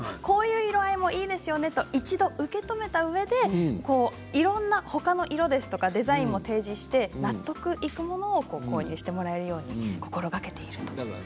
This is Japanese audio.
こういう色合いもいいんですよねと一度、受け止めたうえでいろんなほかの色やデザインも提示して納得いくものを購入してもらえるように心がけていると。